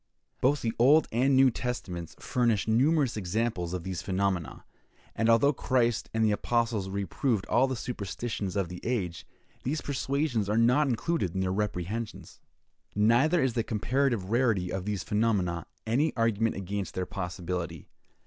Both the Old and New Testaments furnish numerous examples of these phenomena; and although Christ and the apostles reproved all the superstitions of the age, these persuasions are not included in their reprehensions. Neither is the comparative rarity of these phenomena any argument against their possibility.